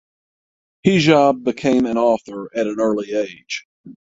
Hijab became an author at an early age.